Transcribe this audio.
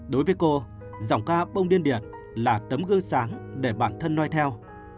đối với cô giọng ca bông điên điện là tấm gư sáng để bản thân nói theo